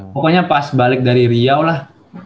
pokoknya pas balik dari riau lah